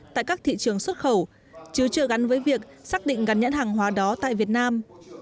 tại các thị trường xuất khẩu chứ chưa gắn với việc xác định gắn nhãn hàng hóa đó tại việt nam